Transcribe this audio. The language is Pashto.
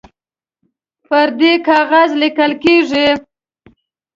پر ده کاغذ لیکل کیږي